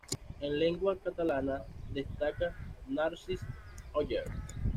En lengua catalana destaca Narcís Oller.